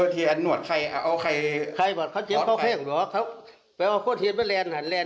ต้องยืนยันบอกมีสั่งทางไหนครับ